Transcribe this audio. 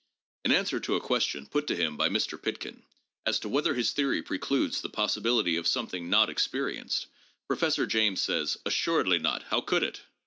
In answer to a question put to him by Mr. Pitkin, as to whether his theory precludes the possibility of something not experienced, Professor James says :" Assuredly not ... how could it